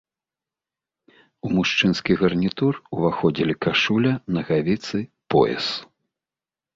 У мужчынскі гарнітур уваходзілі кашуля, нагавіцы, пояс.